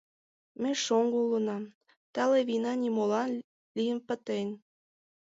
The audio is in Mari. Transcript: Ме шоҥго улына, тале вийна нимолан лийын пытен.